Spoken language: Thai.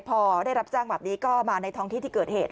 พอได้รับแจ้งแบบนี้ก็มาในท้องที่ที่เกิดเหตุ